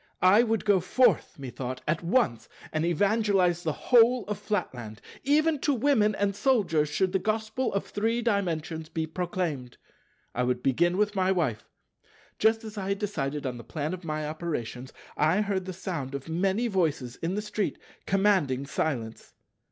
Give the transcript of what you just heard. I would go forth, methought, at once, and evangelize the whole of Flatland. Even to Women and Soldiers should the Gospel of Three Dimensions be proclaimed. I would begin with my Wife. Just as I had decided on the plan of my operations, I heard the sound of many voices in the street commanding silence.